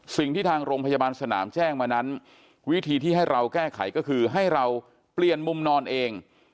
ทางโรงพยาบาลสนามแจ้งมานั้นวิธีที่ให้เราแก้ไขก็คือให้เราเปลี่ยนมุมนอนเอง